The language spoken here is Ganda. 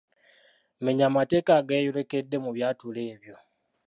Menya amateeka ageeyolekedde mu byatulo ebyo.